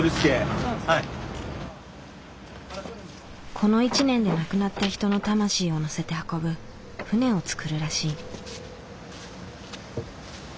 この１年で亡くなった人の魂を乗せて運ぶ船を作るらしい。